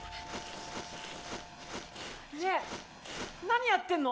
ねえ何やってんの？